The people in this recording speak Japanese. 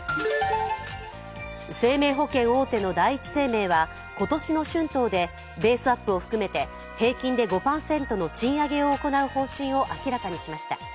生命保険大手の第一生命は今年の春闘でベースアップを含めて平均で５％の賃上げを行う方針を明らかにしました。